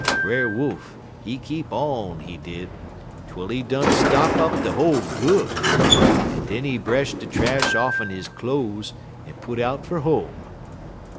"Brer Wolf, he keep on, he did, twel he done stop up de hole good, en den he bresh de trash off'n his cloze, en put out fer home.